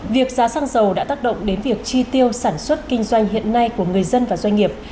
việc giá xăng dầu đã tác động đến việc chi tiêu sản xuất kinh doanh hiện nay của người dân và doanh nghiệp